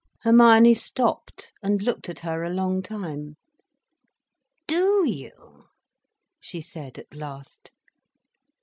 Hermione stopped and looked at her a long time. "Do you?" she said at last.